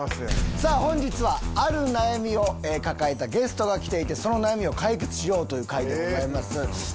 さぁ本日はある悩みを抱えたゲストが来ていてその悩みを解決しようという回でございます。